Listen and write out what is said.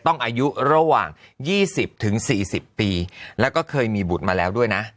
ต้องอายุระหว่างยี่สิบถึงสี่สิบปีแล้วก็เคยมีบุตรมาแล้วด้วยนะ